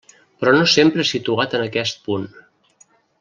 Però no sempre situat en aquest punt.